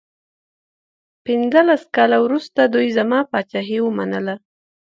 پنځلس کاله وروسته دوی زما پاچهي ومنله.